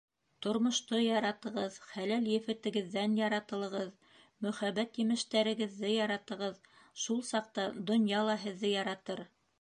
Тормошто яратығыҙ, хәләл ефетегеҙҙән яратылығыҙ, мөхәббәт емештәрегеҙҙе яратығыҙ, шул саҡта донъя ла һеҙҙе яратыр